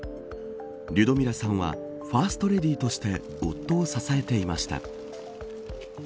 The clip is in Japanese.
リュドミラさんはファーストレディーとして夫を支えていました。